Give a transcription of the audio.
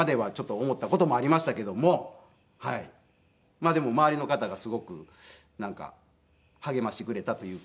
まあでも周りの方がすごくなんか励ましてくれたというか。